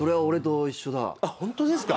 ホントですか！？